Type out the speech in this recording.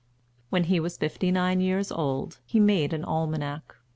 When he was fifty nine years old, he made an Almanac.